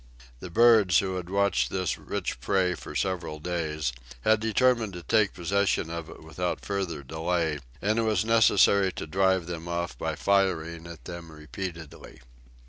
The birds, who had watched this rich prey for several days, had determined to take possession of it without further delay, and it was necessary to drive them off by firing at them repeatedly.